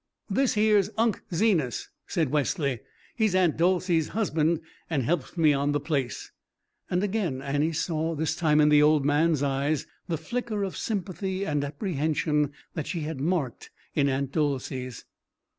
"This here's Unc' Zenas," said Wesley. "He's Aunt Dolcey's husband, and helps me on the place." And again Annie saw, this time in the old man's eyes, the flicker of sympathy and apprehension that she had marked in Aunt Dolcey's.